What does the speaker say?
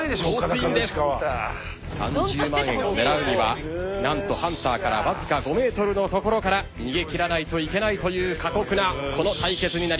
３０万円を狙うには何とハンターからわずか５ｍの所から逃げ切らないといけないという過酷なこの対決になります。